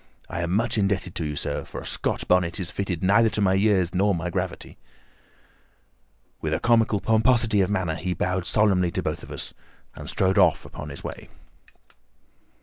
I am much indebted to you, sir, for a Scotch bonnet is fitted neither to my years nor my gravity." With a comical pomposity of manner he bowed solemnly to both of us and strode off upon his way.